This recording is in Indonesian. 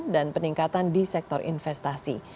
dan peningkatan di sektor investasi